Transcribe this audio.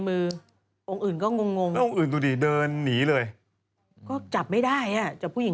แกล้งแกล้งแกล้งแกล้งแกล้งแกล้งแกล้งแกล้งแกล้งแกล้ง